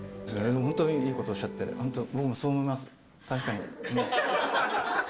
本当にいいことをおっしゃって、本当に僕もそう思います、確かに。